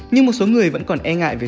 nhưng một số người vẫn còn e ngại về